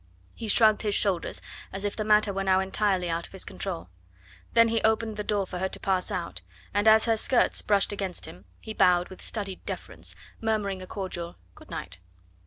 He shrugged his shoulders as if the matter were now entirely out of his control. Then he opened the door for her to pass out, and as her skirts brushed against him he bowed with studied deference, murmuring a cordial "Good night!"